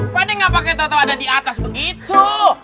pade gak pake toto ada di atas begitu